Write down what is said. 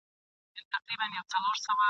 چي نه شرنګ وي د پایلو نه پیالې ډکي له مُلو !.